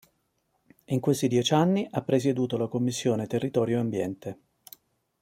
In questi dieci anni ha presieduto la commissione Territorio e Ambiente.